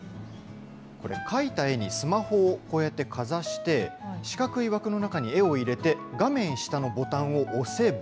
これ、描いた絵にスマホをこうやってかざして、四角い枠の中に絵を入れて、画面下のボタンを押せば。